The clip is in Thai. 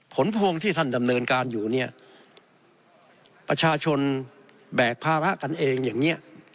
ผลพวงที่ท่านดำเนินการอยู่เนี่ยประชาชนแบกภาระกันเองอย่างนี้